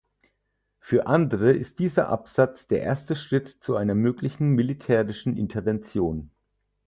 Für andere ist dieser Absatz der erste Schritt zu einer möglichen militärischen Intervention.